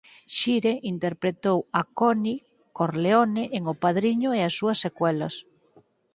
Shire interpretou a Connie Corleone en "O padriño" e as súas secuelas.